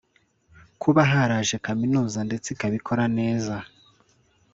kuba haraje kaminuza ndetse ikaba ikora neza